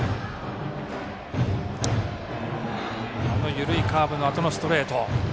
緩いカーブのあとのストレート。